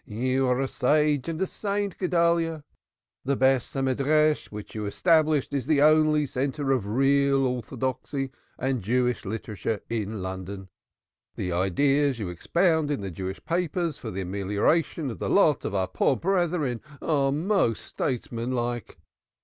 You are a sage and a saint, Guedalyah. The Beth Hamidrash which you have established is the only centre of real orthodoxy and Jewish literature in London. The ideas you expound in the Jewish papers for the amelioration of the lot of our poor brethren are most statesmanlike.